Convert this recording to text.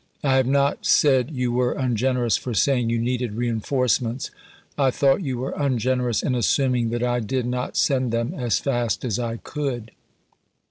I have not said you were ungenerous for saying you needed reenforcements. I thought you were ungenerous in assuming that I did not send them as fast as I could.